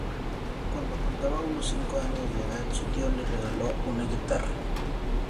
Cuando contaba unos cinco años de edad su tío le regalo una guitarra.